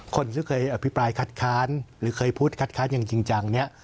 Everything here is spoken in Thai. คนที่เคยพิปรายคัดค้านหรือเป็นการพูดคัดค้านจริงนี้